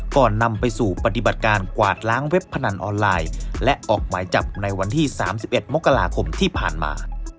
ก่อนนำไปสู่ปฏิบัติการกวาดล้างเว็บพนันออนไลน์และออกหมายจับในวันที่๓๑มกราคมที่ผ่านมา